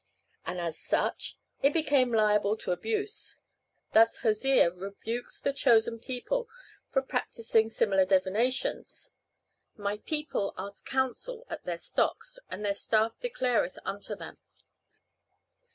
And as such it became liable to abuse; thus Hosea rebukes the chosen people for practising similar divinations. "My people ask counsel at their stocks, and their staff declareth unto them."